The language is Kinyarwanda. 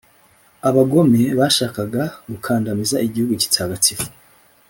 Abagome bashakaga gukandamiza igihugu gitagatifu,